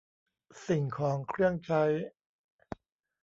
สิ่งของเครื่องใช้